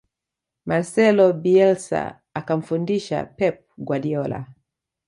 marcelo bielsa akamfundisha pep guardiola